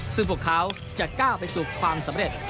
ซื้อปกคราวจะก้าวไปสู่ความสำเร็จ